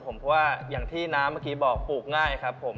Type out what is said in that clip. เพราะว่าอย่างที่น้ำเมื่อกี้บอกปลูกง่ายครับผม